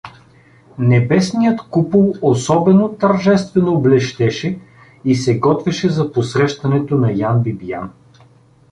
Небесният купол особено тържествено блещеше и се готвеше за посрещането на Ян Бибиян.